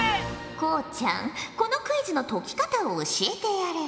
こうちゃんこのクイズの解き方を教えてやれ。